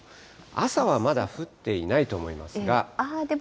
朝はまだ降っていないと思いますが。